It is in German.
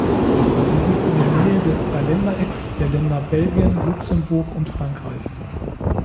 Sie liegt in der Nähe des Dreiländerecks der Länder Belgien, Luxemburg und Frankreich.